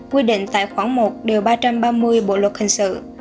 quy định tại khoảng một điều ba trăm ba mươi bộ luật hình sự